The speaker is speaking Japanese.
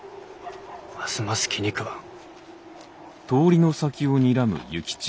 ますます気に食わん。